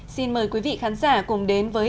xin mời quý vị khán giả cùng đến với